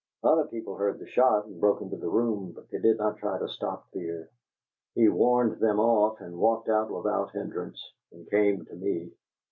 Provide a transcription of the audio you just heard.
Other people heard the shot and broke into the room, but they did not try to stop Fear; he warned them off and walked out without hindrance, and came to me.